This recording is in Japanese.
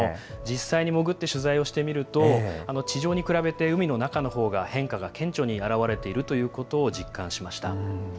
実際に潜って取材をしてみると、地上に比べて、海の中のほうが変化が顕著に表れているということを実感しました。